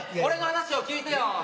俺の話を聞いてよ。